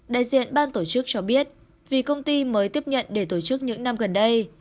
đại diện ban tổ chức cho biết vì công ty mới tiếp nhận để tổ chức những năm gần đây